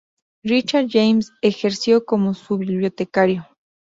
Richard James ejerció como su bibliotecario.